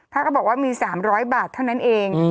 ก็บอกว่ามี๓๐๐บาทเท่านั้นเอง